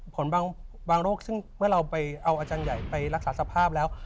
บางโรคซึ่งเมื่อเราไปเอาอาจารย์ใหญ่ไปรักษาสภาพแล้ว